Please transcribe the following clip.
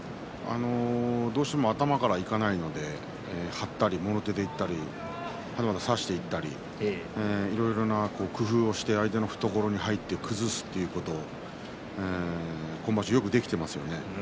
どうしても頭からいかないので張ったり、もろ手でいったりあるいは差していったりいろいろな工夫をして相手の懐に入って崩すということが今場所はよくできていますね。